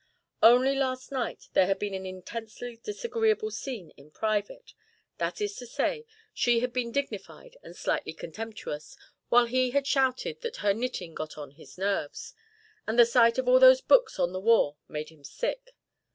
Only last night there had been an intensely disagreeable scene in private; that is to say, she had been dignified and slightly contemptuous, while he had shouted that her knitting got on his nerves, and the sight of all those books on the war made him sick.